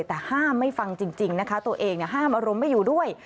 แต่ห้ามไม่ฟังจริงนะคะตัวเองห้ามอารมณ์ไม่อยู่ด้วย